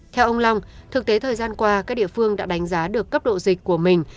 theo ông long thực tế thời gian qua các địa phương đã đánh giá được cấp độ dịch của mình